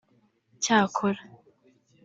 Cyakora